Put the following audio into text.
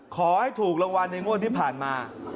ขอให้ถูกรางวัลในงวดที่ผ่านมา